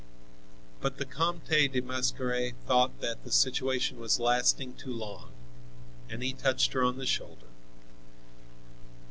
But the Comte de Mascaret thought that the situation was lasting too long, and he touched her on the shoulder.